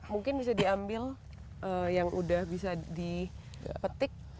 mungkin bisa diambil yang udah bisa dipetik